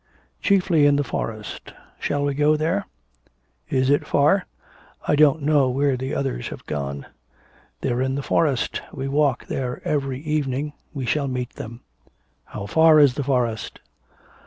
'Chiefly in the forest. Shall we go there?' 'Is it far? I don't know where the others have gone.' 'They're in the forest, we walk there every evening; we shall meet them.' 'How far is the forest?'